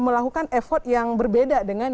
melakukan effort yang berbeda dengan